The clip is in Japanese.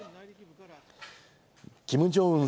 キム・ジョンウン